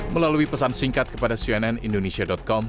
melalui pesan singkat kepada cnnindonesia com